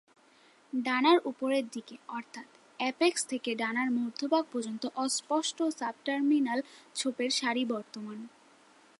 ডানার উপরের দিকে অর্থাৎ অ্যাপেক্স থেকে ডানার মধ্যভাগ পর্যন্ত অস্পষ্ট সাবটার্মিনাল ছোপের সারি বর্তমান।